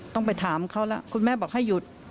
ต้องไปถามเขาแล้วคุณแม่บอกให้หยุด